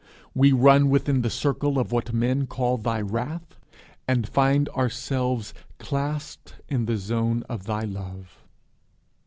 We run within the circle of what men call thy wrath, and find ourselves clasped in the zone of thy love!'